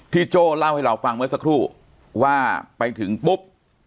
โจ้เล่าให้เราฟังเมื่อสักครู่ว่าไปถึงปุ๊บ